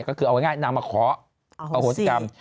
ก็คือเอาง่ายนางมาขออโหสิกรรม